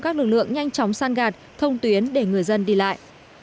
các lực lượng nhanh chóng săn gạt thông tuyến để người dân đi lại